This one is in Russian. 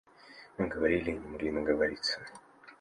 Мы говорили и не могли наговориться.